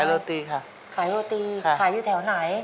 โรตีค่ะขายโรตีขายอยู่แถวไหน